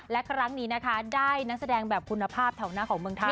และครั้งนี้นะคะได้นักแสดงแบบคุณภาพแถวหน้าของเมืองไทย